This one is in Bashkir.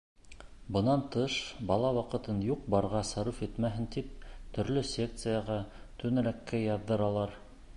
Бынан тыш, бала ваҡытын юҡ-барға сарыф итмәһен тип төрлө секцияға, түңәрәккә яҙҙыралар.